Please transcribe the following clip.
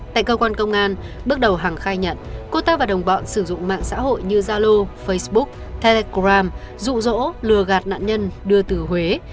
tại cơ quan công an bước đầu hằng khai nhận cô ta và đồng bọn sử dụng mạng xã hội như zalo facebook telegram rụ rỗ lừa gạt nạn nhân đưa từ huế